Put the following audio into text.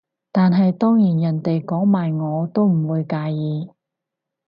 但係當然人哋講埋我都唔會介意